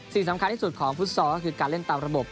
สิ่งสำคัญที่สุดของฟุตซอลก็คือการเล่นตามระบบ